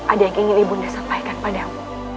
ada yang ingin ibu nek sampaikan padamu